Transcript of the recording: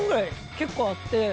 結構あって。